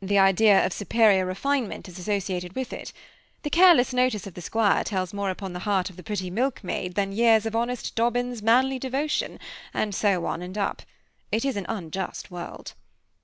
The idea of superior refinement is associated with it. The careless notice of the squire tells more upon the heart of the pretty milk maid than years of honest Dobbin's manly devotion, and so on and up. It is an unjust world!